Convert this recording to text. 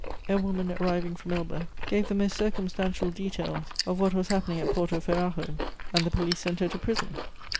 A woman arriving from Elba gave the most circumstantial details of what was happening at Porto Ferrajo, and the police sent her to prison.